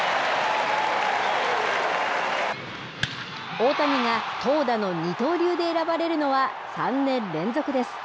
大谷が投打の二刀流で選ばれるのは３年連続です。